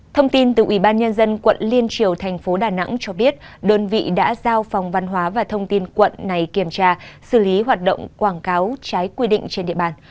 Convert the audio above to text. thông tin từ ủy ban nhân dân quận liên triều tp đà nẵng cho biết đơn vị đã giao phòng văn hóa và thông tin quận này kiểm tra xử lý hoạt động quảng cáo trái quy định trên địa bàn